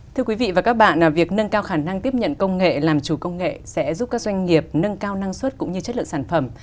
thưa quý vị và các bạn việc nâng cao khả năng tiếp nhận công nghệ làm chủ công nghệ sẽ giúp các doanh nghiệp nâng cao năng suất cũng như chất lượng sản phẩm